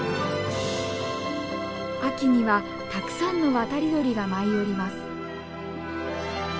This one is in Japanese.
秋にはたくさんの渡り鳥が舞い降ります。